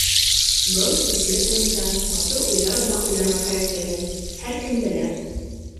Был изге урында матур уйҙар ғына уйларға кәрәклеген һәр кем белә.